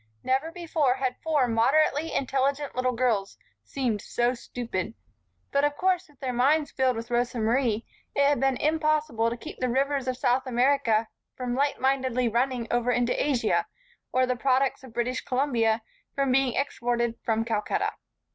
Never before had four moderately intelligent little girls seemed so stupid. But of course with their minds filled with Rosa Marie, it had been impossible to keep the rivers of South America from lightmindedly running over into Asia, or the products of British Columbia from being exported from Calcutta.